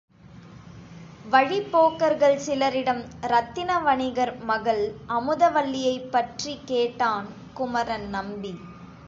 வழிப்போக்கர்கள் சிலரிடம் இரத்தின வணிகர் மகள் அமுதவல்லியைப் பற்றிக் கேட்டான் குமரன்நம்பி.